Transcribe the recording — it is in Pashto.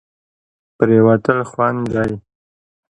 پرېوتل خوند دی.